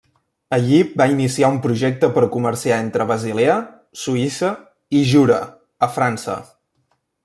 Allí va iniciar un projecte per comerciar entre Basilea, Suïssa, i Jura, a França.